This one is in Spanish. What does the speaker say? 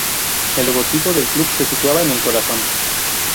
El logotipo del club se situaba en el corazón.